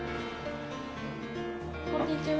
こんにちは。